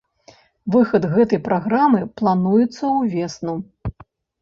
Выхад гэтай праграмы плануецца ўвесну.